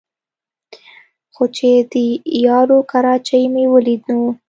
خو چې د یارو کراچۍ مې ولېده نو